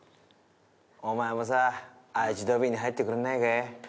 お前もさ愛知ドビーに入ってくんないかい？